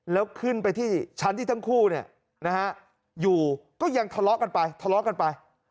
แล้วขึ้นไปที่ชั้นที่ทั้งคู่อยู่ก็ยังทะเลาะกันไปทะเลาะกันไป